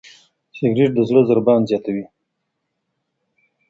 سګریټ د زړه ضربان زیاتوي.